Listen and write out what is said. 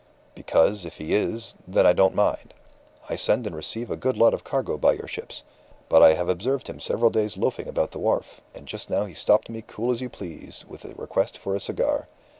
'Because, if he is, then I don't mind; I send and receive a good lot of cargo by your ships; but I have observed him several days loafing about the wharf, and just now he stopped me as cool as you please, with a request for a cigar.